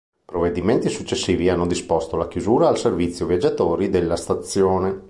Provvedimenti successivi hanno disposto la chiusura al servizio viaggiatori della stazione.